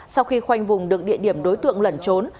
sau khi khoanh vùng được địa điểm đối tượng lẩn trốn